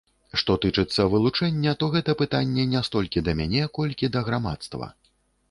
Што тычыцца вылучэння, то гэта пытанне не столькі да мяне, колькі да грамадства.